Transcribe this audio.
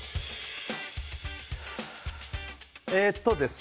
えっとですね